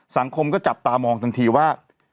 สังคมก็จับตามองทันทีว่า